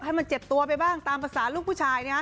ให้มันเจ็บตัวไปบ้างตามภาษาลูกผู้ชาย